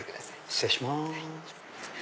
失礼します。